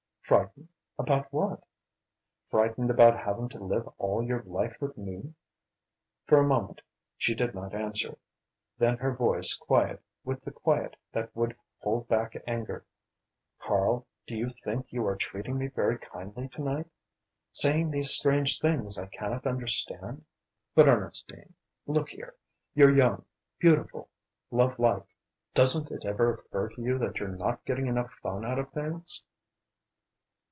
"Frightened about what?" "Frightened about having to live all your life with me!" For a moment she did not answer. Then, her voice quiet with the quiet that would hold back anger: "Karl, do you think you are treating me very kindly to night? Saying these strange things I cannot understand?" "But, Ernestine look here! You're young beautiful love life. Doesn't it ever occur to you that you're not getting enough fun out of things?"